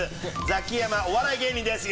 ザキヤマお笑い芸人です！